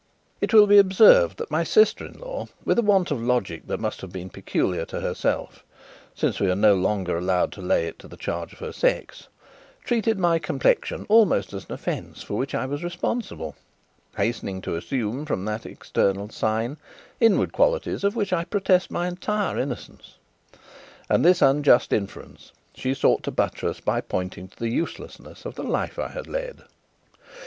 It will be observed that my sister in law, with a want of logic that must have been peculiar to herself (since we are no longer allowed to lay it to the charge of her sex), treated my complexion almost as an offence for which I was responsible, hastening to assume from that external sign inward qualities of which I protest my entire innocence; and this unjust inference she sought to buttress by pointing to the uselessness of the life I had led.